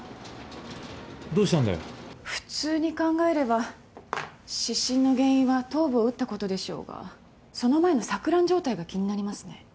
普通に考えれば失神の原因は頭部を打ったことでしょうがその前の錯乱状態が気になりますね。